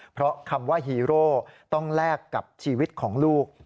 เพราะคำว่าฮีโร่ต้องแลกกับชีวิตของลูก